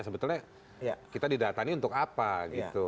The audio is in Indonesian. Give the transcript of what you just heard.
sebetulnya kita didatani untuk apa gitu